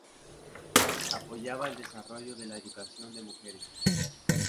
Apoyaba el desarrollo de la educación de mujeres.